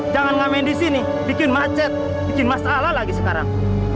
jangan ngamen di sini bikin macet bikin masalah lagi sekarang